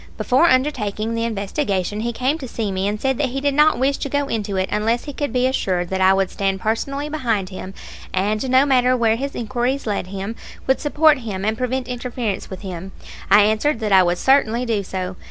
Before undertaking the investigation he came to see me, and said that he did not wish to go into it unless he could be assured that I would stand personally behind him, and, no matter where his inquiries led him, would support him and prevent interference with him. I answered that I would certainly do so.